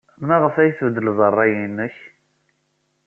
Maɣef ay tbeddled ṛṛay-nnek?